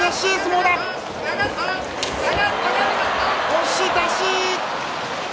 押し出し。